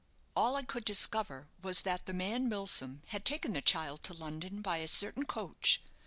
"All I could discover was that the man Milsom had taken the child to London by a certain coach.